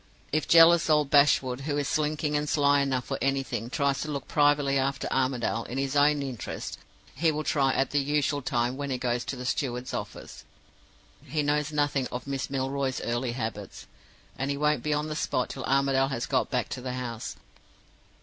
If jealous old Bashwood, who is slinking and sly enough for anything, tries to look privately after Armadale, in his own interests, he will try at the usual time when he goes to the steward's office. He knows nothing of Miss Milroy's early habits; and he won't be on the spot till Armadale has got back to the house.